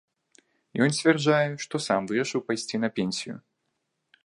Ён сцвярджае, што сам вырашыў пайсці на пенсію.